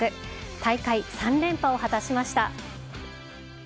大会３連覇を果たしました。